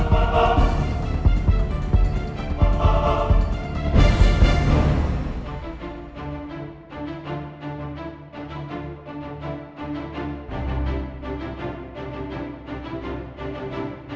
sebelum itu saya akan menemukan